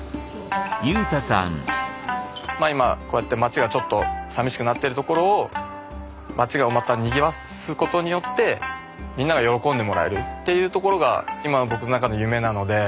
まあ今こうやって街がちょっとさみしくなってるところを街をまたにぎわすことによってみんなが喜んでもらえるっていうところが今の僕の中の夢なので。